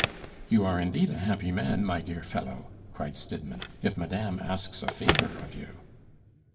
"You are indeed a happy man, my dear fellow," cried Stidmann, "if madame asks a favor of you!"